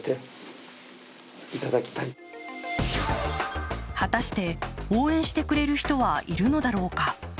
ところが果たして応援してくれる人はいるのだろうか。